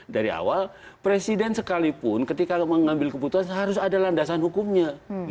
dari awal presiden sekalipun ketika mengambil keputusan harus ada landasan hukumnya